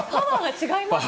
違います。